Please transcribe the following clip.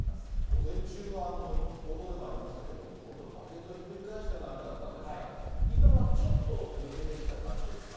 午前中はリポートでもありましたけど、本当、バケツをひっくり返したような雨だったんですが、今はちょっと抜けてきた感じですか。